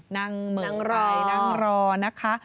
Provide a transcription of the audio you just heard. นั่งเหมือนไปนั่งรอนะคะ